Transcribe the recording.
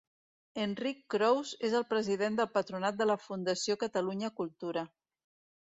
Enric Crous és el president del Patronat de la Fundació Catalunya Cultura.